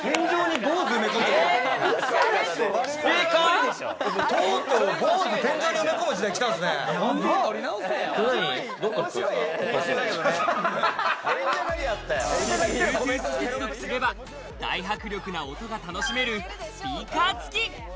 Ｂｌｕｅｔｏｏｔｈ接続すれば大迫力な音が楽しめるスピーカーつき。